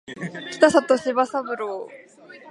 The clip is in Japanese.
北里柴三郎